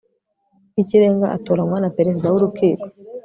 rw Ikirenga atoranywa na Perezida w Urukiko